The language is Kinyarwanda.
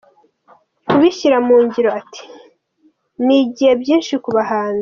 Kubishyira mu ngiro. Ati Nigiye byinshi ku bahanzi.